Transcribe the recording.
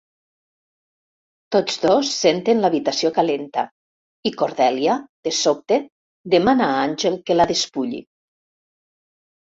Tots dos senten l'habitació calenta, i Cordelia de sobte demana a Angel que la despulli.